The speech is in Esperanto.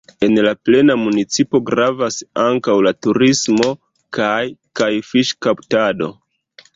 En la plena municipo gravas ankaŭ la turismo kaj kaj fiŝkaptado.